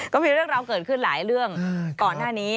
ก็มีเรื่องราวเกิดขึ้นหลายเรื่องก่อนหน้านี้